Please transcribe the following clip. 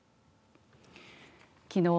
きのう